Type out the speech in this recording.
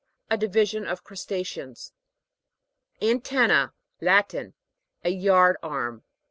A division of crusta'ceans. ANTEN'NA. Latin. A yard arm.